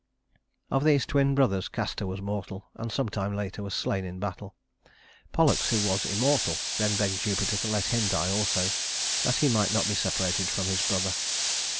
Of these twin brothers, Castor was mortal, and some time later was slain in battle. Pollux, who was immortal, then begged Jupiter to let him die also, that he might not be separated from his brother.